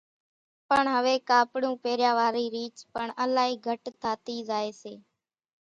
پڻ هويَ ڪاپڙون پيريا وارِي ريچ پڻ الائِي گھٽ ٿاتِي زائيَ سي۔